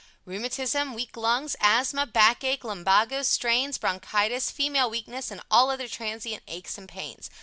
Rheumatism, Weak Lungs, Asthma, Backache, Lumbago, Strains, Bronchitis, Female Weakness and all other transient aches and pains.